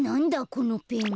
このペン。